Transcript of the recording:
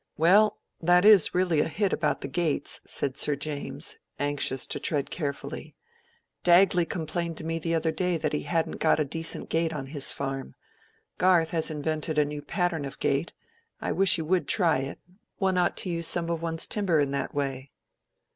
"Well, that is really a hit about the gates," said Sir James, anxious to tread carefully. "Dagley complained to me the other day that he hadn't got a decent gate on his farm. Garth has invented a new pattern of gate—I wish you would try it. One ought to use some of one's timber in that way."